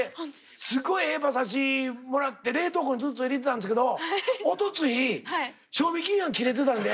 すごいええ馬刺しもらって冷凍庫にずっと入れてたんですけどおとつい賞味期限が切れてたんで。